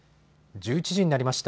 １１時になりました。